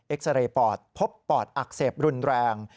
ซาเรย์ปอดพบปอดอักเสบรุนแรง